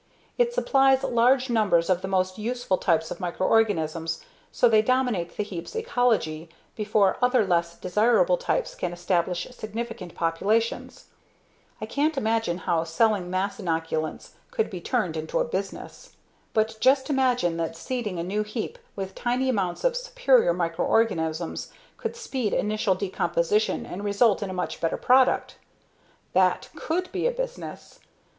It supplies large numbers of the most useful types of microorganisms so they dominate the heap's ecology before other less desirable types can establish significant populations. I can't imagine how selling mass inoculants could be turned into a business. But just imagine that seeding a new heap with tiny amounts of superior microorganisms could speed initial decomposition and result in a much better product. That _could _be a business.